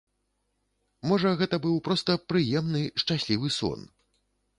Можа, гэта быў проста прыемны, шчаслівы сон?